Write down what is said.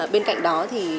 bên cạnh đó